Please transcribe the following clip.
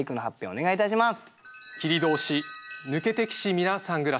お願いいたします。